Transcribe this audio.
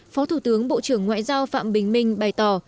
phó thủ tướng bộ trưởng ngoại giao phạm bình minh bày tỏ